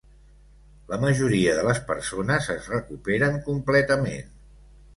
La majoria de les persones es recuperen completament.